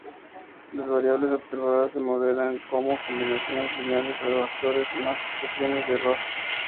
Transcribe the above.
Las variables observadas se modelan como combinaciones lineales de factores más expresiones de error.